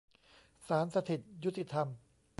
ศาลสถิตยุติธรรม